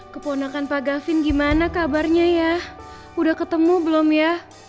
keponakan pak gavin gimana kabarnya ya udah ketemu belum ya